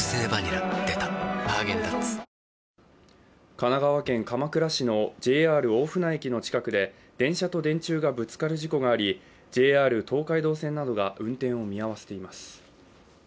神奈川県鎌倉市のＪＲ大船駅の近くで電車と電柱がぶつかる事故がありＪＲ東海道線などが運転を見合わせています。